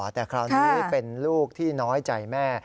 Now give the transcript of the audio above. แต่คราวนี้เป็นลูกที่น้อยใจแม่